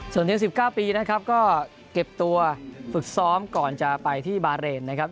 ส่วนเพียง๑๙ปีนะครับก็เก็บตัวฝึกซ้อมก่อนจะไปที่บาเรนนะครับ